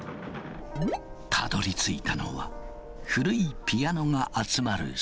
たどりついたのは古いピアノが集まる倉庫。